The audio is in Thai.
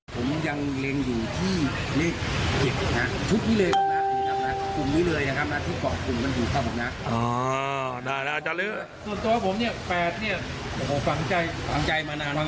เพราะว่าผมเนี่ย๑๘เนี่ยฟังใจมานานฟังใจ